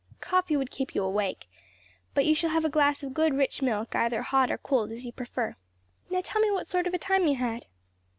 Coffee would keep you awake; but you shall have a glass of good rich milk; either hot or cold, as you prefer. Now tell me what sort of a time you had."